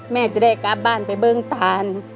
แม่จะได้กลับบ้านไปเบิ้งตาน